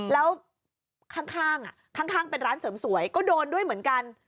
แล้วข้างข้างเป็นร้านเสริมสวยก็โดนด้วยเหมือนกัน